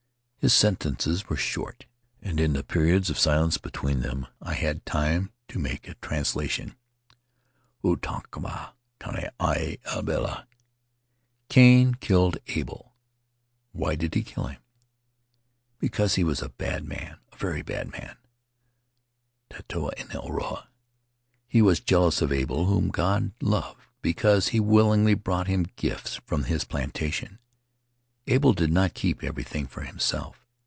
His sentences were short and in the periods of silence between them I had time to make a translation. " Ua taparahi Kaina ia Abela (Cain killed Abel). ... Why did he kill him? ... Because he was a bad man, a Faery Lands of the South Seas very bad man — (taata ino rod). ... He was jealous of Abel, whom God loved because he willingly brought him gifts from his plantation. ... Abel did not keep everything for himself.